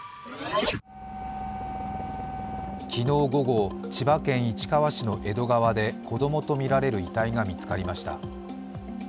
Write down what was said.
昨日午後、千葉県市川市の江戸川で子供とみられる遺体が見つかりました。